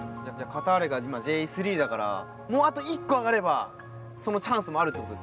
カターレが今Ｊ３だからもうあと１個上がればそのチャンスもあるってことですもんね。